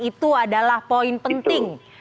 itu adalah poin penting